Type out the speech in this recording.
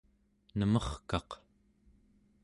nemerkaq